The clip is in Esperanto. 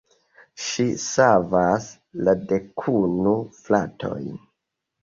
Ŝi savas la dekunu fratojn.